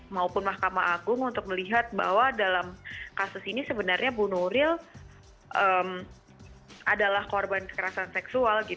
maupun mahkamah agung untuk melihat bahwa dalam kasus ini sebenarnya bu nuril adalah korban kekerasan seksual